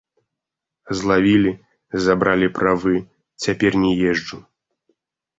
Злавілі, забралі правы, цяпер не езджу.